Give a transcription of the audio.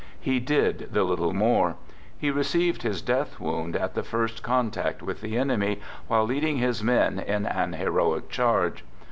He did the little more. He received his death wound at the first contact with the enemy, while leading his men in an heroic charge.